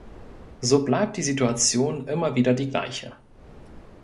So bleibt die Situation immer wieder die gleiche.